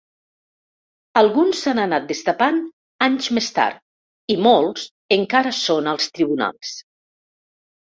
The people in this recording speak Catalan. Alguns s’han anat destapant anys més tard i molts encara són als tribunals.